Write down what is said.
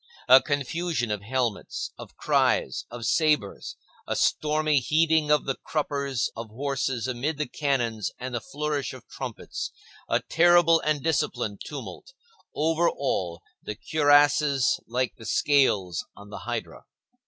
A confusion of helmets, of cries, of sabres, a stormy heaving of the cruppers of horses amid the cannons and the flourish of trumpets, a terrible and disciplined tumult; over all, the cuirasses like the scales on the hydra.